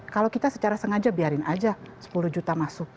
kalau kita secara sengaja biarin aja sepuluh juta masuk